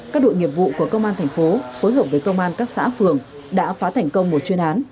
các đội nghiệp vụ của công an thành phố phối hợp với công an các xã phường đã phá thành công một chuyên án